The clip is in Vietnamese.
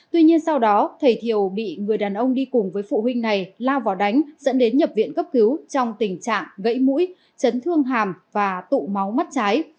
tuy nhiên sau đó thầy thiều bị người đàn ông đi cùng với phụ huynh này lao vào đánh dẫn đến nhập viện cấp cứu trong tình trạng gãy mũi chấn thương hàm và tụ máu mắt trái